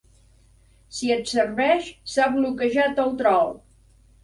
Si et serveix, s'ha bloquejat el trol.